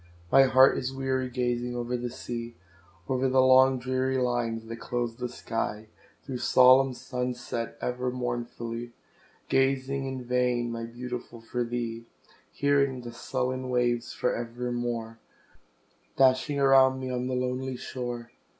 My heart is weary gazing o'er the sea; O'er the long dreary lines that close the sky; Through solemn sun sets ever mournfully, Gazing in vain, my Beautiful, for thee; Hearing the sullen waves for evermore Dashing around me on the lonely shore.